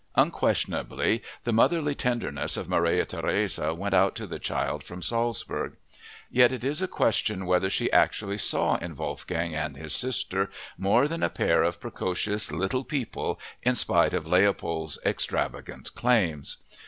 Unquestionably the motherly tenderness of Maria Theresia went out to the child from Salzburg. Yet it is a question whether she actually saw in Wolfgang and his sister more than a pair of precocious little people in spite of Leopold's extravagant claims.